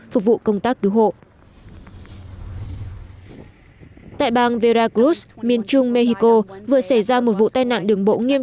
phục vụ công tác cứu hộ tại bang veracruz miền trung mexico vừa xảy ra một vụ tai nạn đường bộ nghiêm